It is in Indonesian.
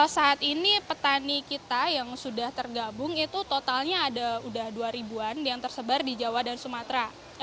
saat ini petani kita yang sudah tergabung itu totalnya ada sudah dua ribu an yang tersebar di jawa dan sumatera